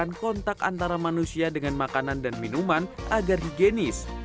dan memperkenalkan kontak antara manusia dengan makanan dan minuman agar higienis